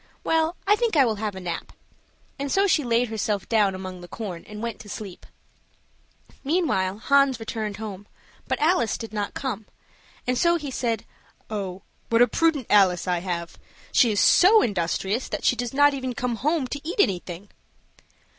Well, I think I will have a nap!" and so she laid herself down among the corn, and went to sleep. Meanwhile Hans returned home, but Alice did not come, and so he said, "Oh, what a prudent Alice I have! She is so industrious that she does not even come home to eat anything."